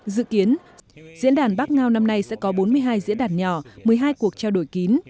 dự kiến diễn đàn bắc ngao năm nay sẽ có bốn mươi hai diễn đàn nhỏ một mươi hai cuộc trao đổi kín